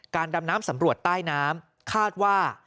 ดำน้ำสำรวจใต้น้ำคาดว่า